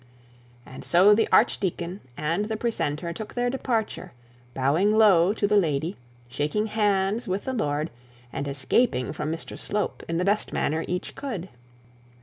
And so the archdeacon and the precentor took their departure, bowing low to the lady, shaking hands with the lord, and escaping from Mr Slope in the best manner each could.